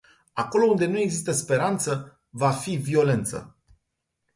Acolo unde nu există speranță, va fi violență.